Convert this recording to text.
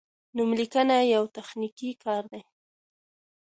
نوملیکنه یو تخنیکي کار دی.